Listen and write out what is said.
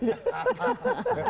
di ibu pimpiban ya pak